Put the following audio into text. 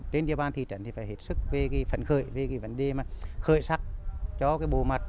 đến địa bàn thị trấn thì phải hết sức về cái phần khởi về cái vấn đề mà khởi sắc cho cái bồ mặt